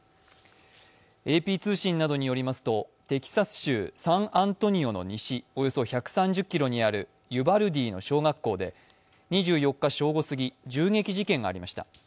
ＡＰ通信などによりますと、テキサス州サンアントニオの西、およそ１３０ｋｍにあるユバルディの小学校で２４日正午すぎ銃撃事件がありました。